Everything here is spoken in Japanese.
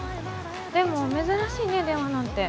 でも珍しいね電話なんて。